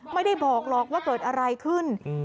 ไม่ได้บอกหรอกว่าเกิดอะไรขึ้น